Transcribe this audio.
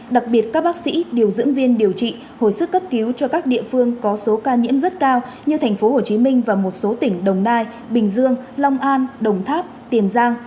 đặc biệt các bác sĩ điều dưỡng viên điều trị hồi sức cấp cứu cho các địa phương có số ca nhiễm rất cao như tp hcm và một số tỉnh đồng nai bình dương long an đồng tháp tiền giang